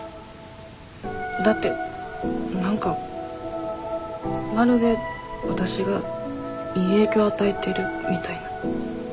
だって何かまるでわたしがいい影響与えてるみたいな。